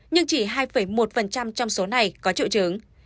nhưng chỉ hai một trong số này có triệu chứng